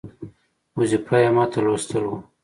وظیفه یې ماته لوستل وه.